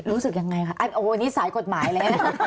รู้สึกยังไงคะโอ้โหนี่สายกฎหมายเลยนะ